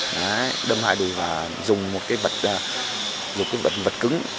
đấy đâm hai đùi và dùng một cái vật dùng cái vật cứng